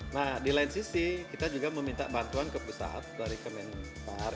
nah di lain sisi kita juga meminta bantuan ke pusat dari kemenpar